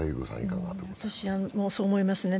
私もそう思いますね。